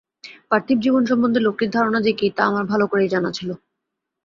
পার্থিব জীবন সম্বন্ধে লোকটির ধারণা যে কী তা আমার ভালো করেই জানা ছিল।